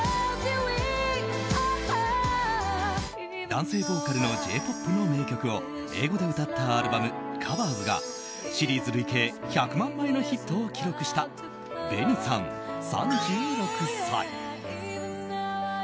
男性ボーカルのＪ‐ＰＯＰの名曲を英語で歌ったアルバム「ＣＯＶＥＲＳ」がシリーズ累計１００万枚のヒットを記録したＢＥＮＩさん、３６歳。